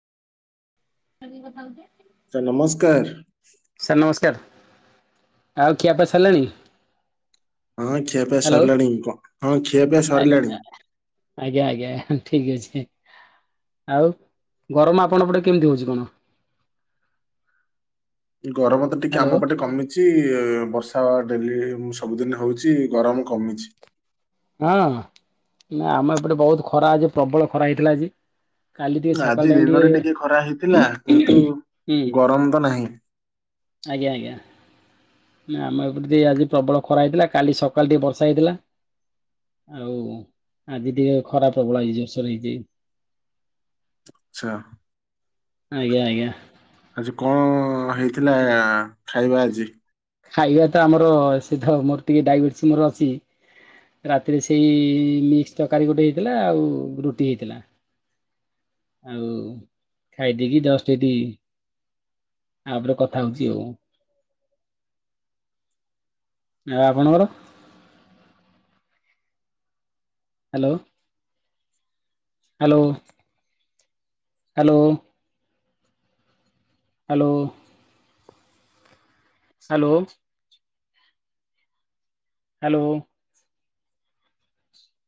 [unintelligible] କଥା ହଉଚେ। ସାର ନମସ୍କାର। ସାର୍ ନମସ୍କାର ଆଉ ଖିଆ ପିଆ ସରିଲାଣି। ହଁ ଖିଆ ପିଆ ହ୍ୟାଲୋ ସରିଲାଣି ହଁ ଖିଆ ପିଆ ସରିଲଣି। ଆଜ୍ଞା ଆଜ୍ଞା ଠିକ ଅଛି। ଆଉ ଗରମ ଆପଣଙ୍କ ପଟେ କେମିତି ହଉଛି କଣ। ଗରମ ତ ଟିକେ ହ୍ୟାଲୋ ଆମ ହଁ ପଟେ କମି ଚି ବର୍ଷା ଡେଲି ମୁ ସବୁଦିନ ହଉଛି ଗରମ କମିଚି। ହଁ ନା ଆମ ଏପଟେ ବହୁତ ଖରା ଆଜି ପ୍ରବଳ ଖରା ହେଇଥିଲା ଆଜି। କାଲି ଉଁ, ଟିକେ ଆଜି ସକାଳ ଟାଇମ ଦିନରେ ଖରା ହେଇଥିଲା ଟିକେ କିନ୍ତୁ ହୁଁ। ଗରମ ତ ନାହିଁ। ଆଜ୍ଞା ଆଜ୍ଞା। ନା ଆମ ଏପ ଟିକେ ଆଜି ପ୍ରବଳ ଖରା ହେଇଥିଲା କାଲି ସକାଳ ଟିକି ବର୍ଷା ହେଇଥିଲା। ଆଉ ଆଜି ଟିକେ ଖରା ପ୍ରବଳ ହେଇଛି ଜୋର୍ସର ହେଇଛି। ଆଚ୍ଛା। ଆଜ୍ଞା ଆଜ୍ଞା। ଆଜି କଁ ହେଇଥିଲା ଖାଇବା ଆଜି। ଖାଇବା ତ ଆମର ସେ ଥ ମୋର ଟିକେ ଡାଇବେଟିସ୍ ମୋର ଅଛି। ରାତିରେ ସେଇ ମିକ୍ସ ତକାରୀ ଗୋଟେ ହେଇଥିଲା ଆଉ ରୁଟି ହେଇଥିଲା। ଆଉ ଖାଇଦେକି ଜଷ୍ଟ୍ ଏଠି ଆପରେ କଥା ହଉଛି ଆଉ। ଆଉ ଆପଣଙ୍କର। Hello. Hello hello. Hello. ସାଲୋ। Hello.